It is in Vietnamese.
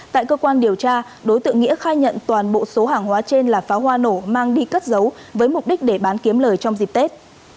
tại cơ quan điều tra đối tượng nghĩa khai nhận toàn bộ số hàng hóa trên là pháo hoa nổ mang đi cất giấu với mục đích để bán kiếm lời trong dịp tết